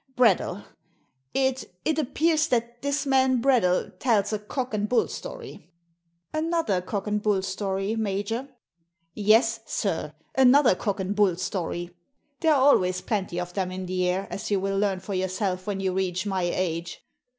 Bradell ! It — it appears that this man Bradell tells a cock and bull story " "Another cock and bull story, major ?" Yes, sir, another cock and bull story; there are always plenty of them in the air, as you will learn for yourself when you reach my age.